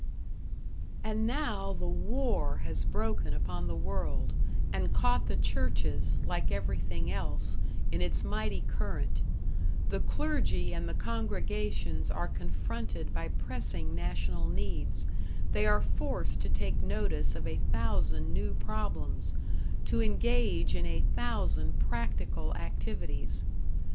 And now the War has broken upon the world, and caught the churches, like everything else, in its mighty current; the clergy and the congregations are confronted by pressing national needs, they are forced to take notice of a thousand new problems, to engage in a thousand practical activities.